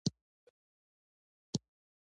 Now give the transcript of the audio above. او ته ذلیل یې.